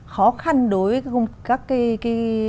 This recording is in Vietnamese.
khó khăn đối với các cái